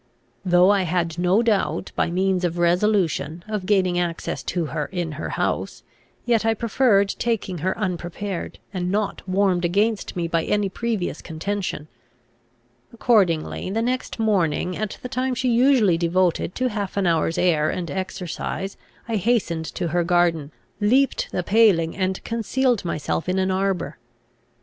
Though I had no doubt, by means of resolution, of gaining access to her in her house, yet I preferred taking her unprepared, and not warmed against me by any previous contention. Accordingly, the next morning, at the time she usually devoted to half an hour's air and exercise, I hastened to her garden, leaped the paling, and concealed myself in an arbour.